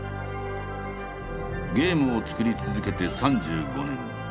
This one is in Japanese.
ゲームを作り続けて３５年。